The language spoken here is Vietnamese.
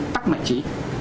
tắc mạch trí